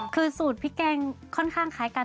คือสูตรพริกแกงค่อนข้างคล้ายกัน